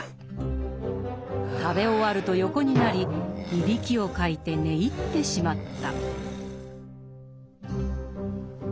食べ終わると横になりいびきをかいて寝入ってしまった。